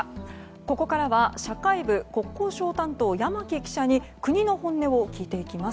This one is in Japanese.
ここからは社会部国交省担当山木記者に国の本音を聞いていきます。